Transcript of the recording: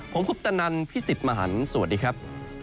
ผมคุปตะนันพี่สิทธิ์มหันฯสวัสดีครับ